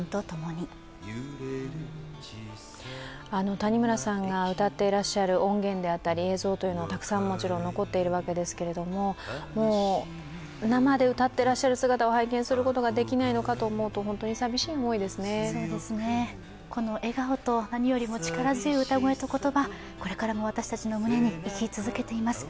谷村さんが歌っていらっしゃる音源であったり映像というのはたくさんもちろん残っているわけですけども、もう、生で歌ってらっしゃる姿を拝見することができないのかと思うとこの笑顔と何よりも力強い歌声と言葉、これからも私たちの胸に生き続けています。